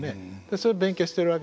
それ勉強してるわけですよ。